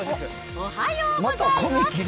おはようございます。